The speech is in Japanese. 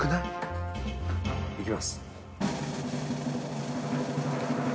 いきます。